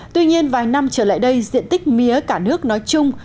tuy nhiên vài năm trở lại đây diện tích mía cả nước nói chung